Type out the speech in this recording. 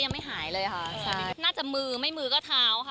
ยังไม่หายเลยค่ะน่าจะมือไม่มือก็เท้าค่ะ